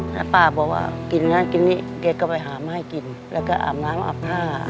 แล้วป้าบอกว่ากินงั้นกินนี่แกก็ไปหามาให้กินแล้วก็อาบน้ำอาบผ้า